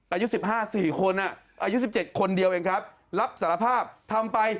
อายุ๑๕๔คนอายุ๑๗คนเดียวเองครับรับสารภาพทำไป